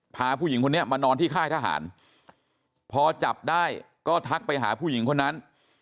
พาผู้หญิงคนนี้มานอนที่ค่ายทหารพอจับได้ก็ทักไปหาผู้หญิงคนนั้น